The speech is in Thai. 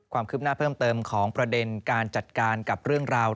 ความคืบหน้าเพิ่มเติมของประเด็นการจัดการกับเรื่องราว